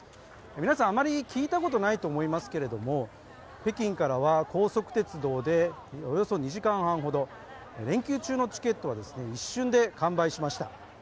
皆さん、あまり聞いたことないと思いますけれども北京からは高速鉄道でおよそ２時間半ほど、連休中のチケットは一瞬で完売しました。